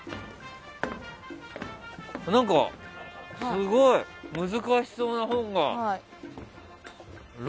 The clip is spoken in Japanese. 何か、すごい難しそうな本が。